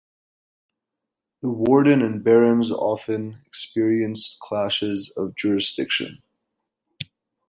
The warden and barons often experienced clashes of jurisdiction.